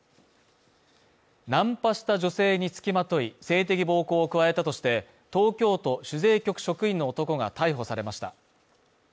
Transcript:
ナンパした女性につきまとい、性的暴行を加えたとして、東京都主税局職員の男が逮捕されました。